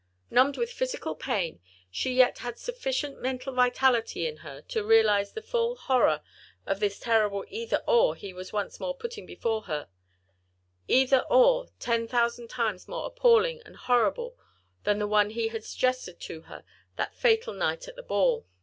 Numbed with physical pain, she yet had sufficient mental vitality in her to realise the full horror of this terrible "either—or" he was once more putting before her; an "either—or" ten thousand times more appalling and horrible, than the one he had suggested to her that fatal night at the ball.